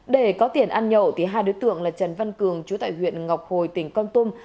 để có tiền ăn nhậu hai đứa tượng là trần văn cường chú tại huyện ngọc hồi tỉnh con tôm